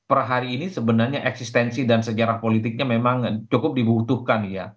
per hari ini sebenarnya eksistensi dan sejarah politiknya memang cukup dibutuhkan ya